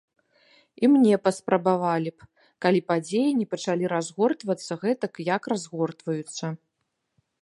І мне паспрабавалі б, калі падзеі не пачалі разгортвацца гэтак, як разгортваюцца.